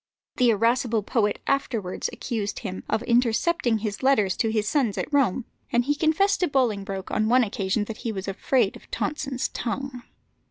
The irascible poet afterwards accused him of intercepting his letters to his sons at Rome, and he confessed to Bolingbroke on one occasion that he was afraid of Tonson's tongue.